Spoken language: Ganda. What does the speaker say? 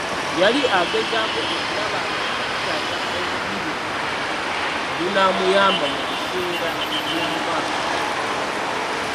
Yali agezaako okulaba nga asigaza olulimi olunaamuyamba mu biseera by'omu maaso.